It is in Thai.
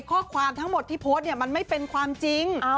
ข้อความทั้งหมดที่โพสต์เนี่ยมันไม่เป็นความจริง